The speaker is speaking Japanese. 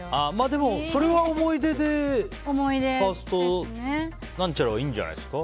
でもそれは想い出でファーストなんちゃらはいいんじゃないですか？